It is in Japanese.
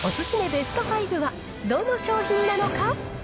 ベスト５は、どの商品なのか？